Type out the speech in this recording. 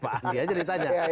pak andi aja ditanya